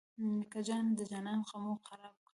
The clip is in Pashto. نیکه جانه د جانان غمو خراب کړم.